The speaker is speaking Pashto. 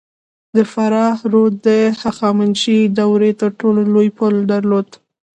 د فراه رود د هخامنشي دورې تر ټولو لوی پل درلود